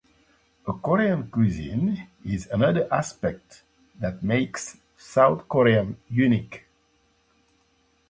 Korean cuisine is another aspect that makes South Korea unique.